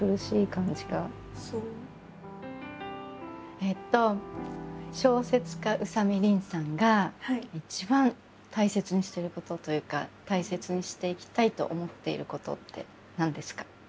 えっと小説家宇佐見りんさんが一番大切にしていることというか大切にしていきたいと思っていることって何ですか？